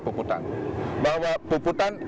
puputan bahwa puputan